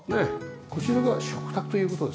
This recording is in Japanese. こちらが食卓という事ですか？